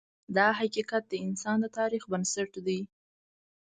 دا حقیقت د انسان د تاریخ بنسټ دی.